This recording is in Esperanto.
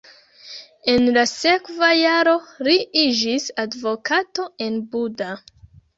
En la sekva jaro li iĝis advokato en Buda.